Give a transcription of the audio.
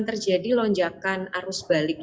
terjadi lonjakan arus balik